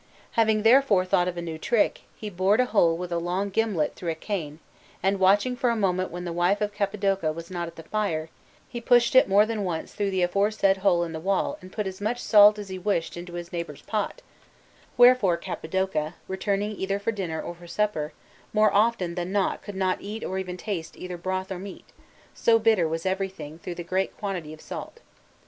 Having therefore thought of a new trick, he bored a hole with a long gimlet through a cane, and, watching for a moment when the wife of Capodoca was not at the fire, he pushed it more than once through the aforesaid hole in the wall and put as much salt as he wished into his neighbour's pot; wherefore Capodoca, returning either for dinner or for supper, more often than not could not eat or even taste either broth or meat, so bitter was everything through the great quantity of salt.